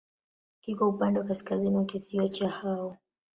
Kiko upande wa kaskazini wa kisiwa cha Hao.